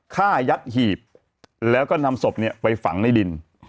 ฆ่ายัดหีบแล้วก็นำศพไปฝังในดิน